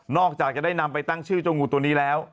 จากจะได้นำไปตั้งชื่อเจ้างูตัวนี้แล้ว